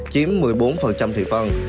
chiếm một mươi bốn thị phần